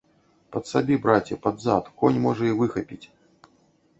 Падсабі, браце, пад зад, конь, можа, і выхапіць.